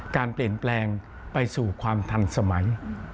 การเปลี่ยนแปลงไปสู่ความทันสมัย